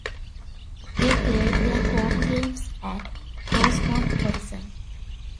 They played their home games at Rosemont Horizon.